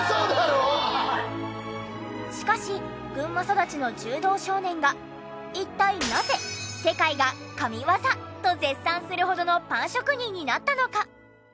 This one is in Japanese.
しかし群馬育ちの柔道少年が一体なぜ世界が神業と絶賛するほどのパン職人になったのか？